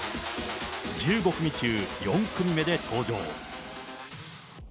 １５組中４組目で登場。